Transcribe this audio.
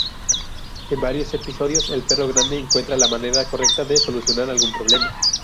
En varios episodios el perro grande encuentra la manera correcta de solucionar algún problema.